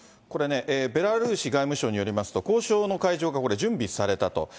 これね、ベラルーシ外務省によりますと、交渉の会場がこれ、準備されたと。